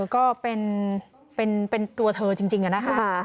ก็เป็นตัวเธอจริงนะคะ